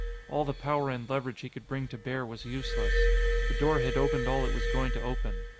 All the power and leverage he could bring to bear was useless. The door had opened all it was going to open.